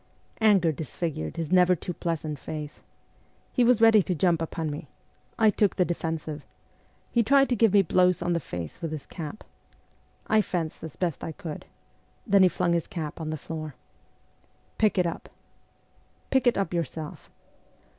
Anger disfigured his never too pleasant face. He was ready to jump upon me. I took the defensive. He tried to give me blows on the face with his cap. I fenced as best I could. Then he flung his cap on the floor. ' Pick it up.' ' Pick it up yourself.'